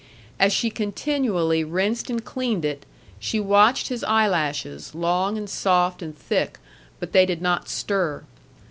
As she continually rinsed and cleaned it, she watched his eyelashes, long and soft and thick, but they did not stir.